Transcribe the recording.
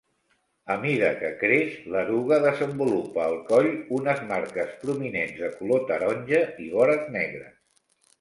A mida que creix, l'eruga desenvolupa al coll unes marques prominents de color taronja i vores negres.